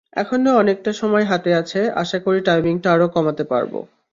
এখনো অনেকটা সময় হাতে আছে, আশা করি টাইমিংটা আরও কমাতে পারব।